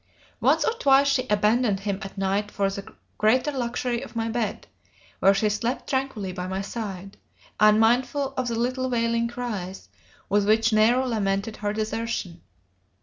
Once or twice she abandoned him at night for the greater luxury of my bed, where she slept tranquilly by my side, unmindful of the little wailing cries with which Nero lamented her desertion.